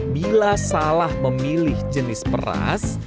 bila salah memilih jenis beras